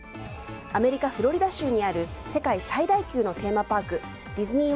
アメリカ・フロリダ州にある世界最大級のテーマパークディズニー